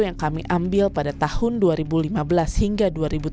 yang kami ambil pada tahun dua ribu lima belas hingga dua ribu tujuh belas